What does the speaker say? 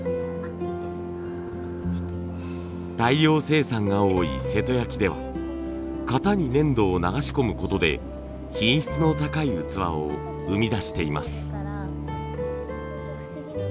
大量生産が多い瀬戸焼では型に粘土を流し込む事で品質の高い器を生み出しています。